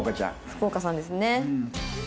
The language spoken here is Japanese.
福岡さんですね。